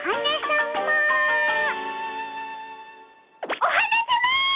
お花さま！